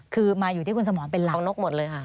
คือมาอยู่ที่คุณสมรเป็นหลัก